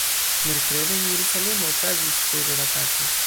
Merkrede en Jerusalemo okazis teroratako.